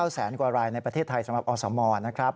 แสนกว่ารายในประเทศไทยสำหรับอสมนะครับ